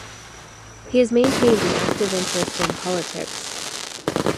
He has maintained an active interest in politics.